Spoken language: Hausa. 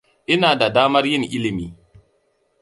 Ina da damar yin ilimi.